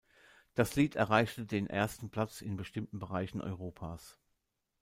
Das Lied erreichte den ersten Platz in bestimmten Bereichen Europas.